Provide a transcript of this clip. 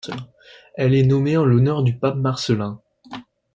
Elle est nommée en l'honneur du Pape Marcellin.